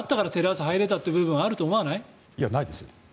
いや、ないですよ。